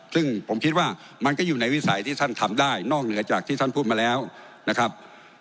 ซึ่งผมคิดว่ามันก็อยู่ในวิสัยที่ท่านทำได้นอกเหนือจากที่ท่านพูดมาแล้วนะครับ